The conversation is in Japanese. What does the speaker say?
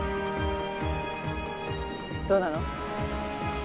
どうなの？